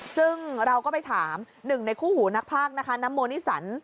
ซึ่งเราก็ไปถามหนึ่งในคู่หูนักภาคนะคะน้ำโมนิสัน